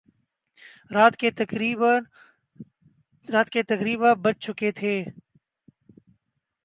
رات کے تقریبا بج چکے تھے